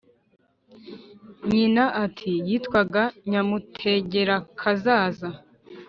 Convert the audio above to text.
Nyina ati: "Yitwaga Nyamutegerakazaza.